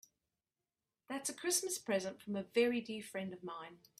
That's a Christmas present from a very dear friend of mine.